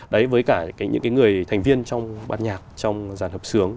đấy với cả những cái người thành viên trong bát nhạc trong giàn hợp sướng